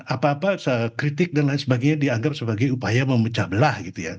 apa apa kritik dan lain sebagainya dianggap sebagai upaya memecah belah gitu ya